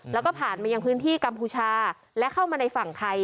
แล้วก็ผ่านมายังพื้นที่กัมพูชาและเข้ามาในฝั่งไทย